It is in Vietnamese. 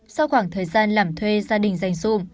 sau khoảng thời gian làm thuê gia đình dành xung